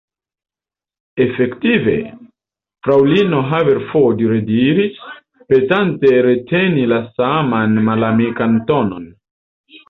Efektive? fraŭlino Haverford rediris, penante reteni la saman malamikan tonon.